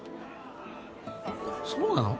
そうなの？